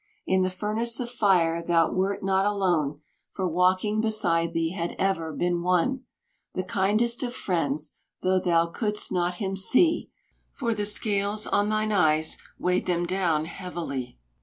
In the furnace of fire thou wert not alone, For walking beside thee had ever been one, The kindest of friends, though thou could'st not him see, For the scales on thine eyes weighed them down heavily.